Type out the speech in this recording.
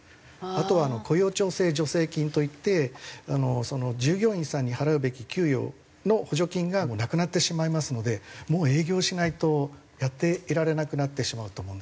あとは雇用調整助成金といって従業員さんに払うべき給与の補助金がなくなってしまいますのでもう営業しないとやっていられなくなってしまうと思うんです。